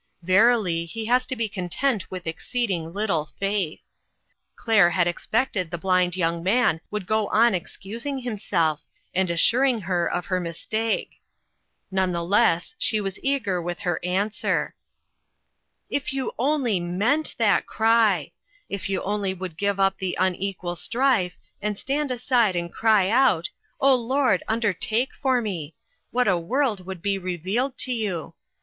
Verily, He has to be content with exceeding little faith ! Claire had expected the blind young man would go on excus ing himself, and assuring her of her mis take. None the less was she eager with her answer :" If you only meant that cry ! If you only would give up the unequal strife, and stand aside and cry out, ' O Lord, undertake for me '! what a world would be revealed to you.